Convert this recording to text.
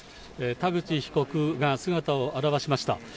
田口被告が姿を現しました。